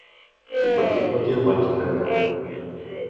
I per quin motiu van reprendre-ho?